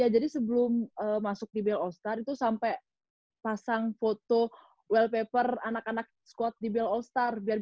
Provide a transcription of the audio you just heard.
jadi sebelum masuk di bale all star itu sampai pasang foto wallpaper anak anak squad di bale all star